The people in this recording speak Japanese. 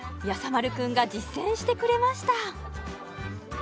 丸くんが実践してくれました